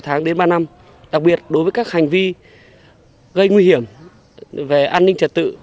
sáu tháng đến ba năm đặc biệt đối với các hành vi gây nguy hiểm về an ninh trật tự